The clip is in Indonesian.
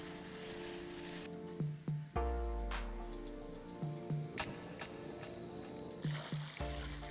pasir pasir ini lalu dimasukkan ke kotak saringan bernama niri